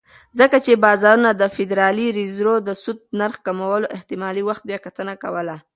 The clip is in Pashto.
ځکه چې بازارونه د فدرالي ریزرو د سود نرخ کمولو احتمالي وخت بیاکتنه کوله.